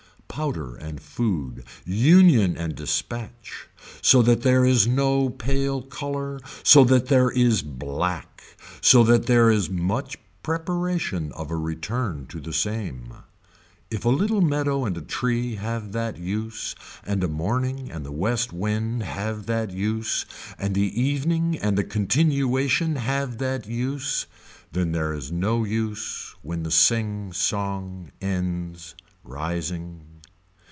Powder and food, union and despatch, so that there is no pale color, so that there is black, so that there is much preperation of a return to the same. If a little meadow and a tree have that use and a morning and the west wind have that use and the evening and the continuation have that use then there is no use when the sing song ends rising.